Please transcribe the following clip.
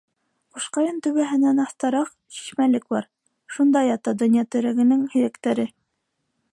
Ҡушҡайын түбәһенән аҫтараҡ шишмәлек бар - шунда ята «донъя терәге»нең һөйәктәре.